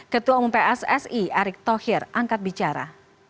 ketua umum pssi erick thohir angkat bicara